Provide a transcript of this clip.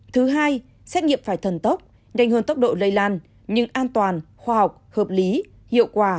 thứ hai xét nghiệm phải thần tốc nhanh hơn tốc độ lây lan nhưng an toàn khoa học hợp lý hiệu quả